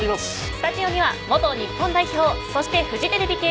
スタジオには元日本代表そしてフジテレビ系ＦＩＦＡ